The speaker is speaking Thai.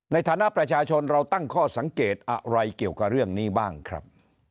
ในฐานะประชาชนเราตั้งข้อสังเกตอะไรเกี่ยวกับเรื่องนี้บ้างครับ